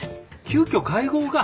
急きょ会合が。